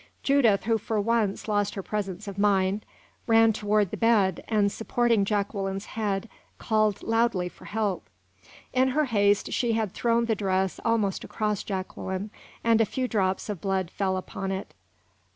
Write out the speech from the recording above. Judith, who for once lost her presence of mind, ran toward the bed, and, supporting Jacqueline's head, called loudly for help. In her haste she had thrown the dress almost across Jacqueline, and a few drops of blood fell upon it.